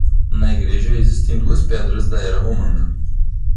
Na igreja existem duas pedras da era romana.